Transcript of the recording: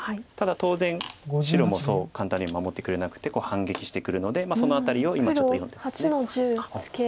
ただ当然白もそう簡単には守ってくれなくて反撃してくるのでその辺りを今ちょっと読んでます。